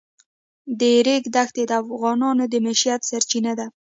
د ریګ دښتې د افغانانو د معیشت سرچینه ده.